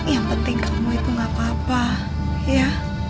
yang penting kamu itu gak apa apa ya